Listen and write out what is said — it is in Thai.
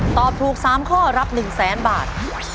ตอบถูก๓ข้อรับ๑๐๐๐๐๐บาท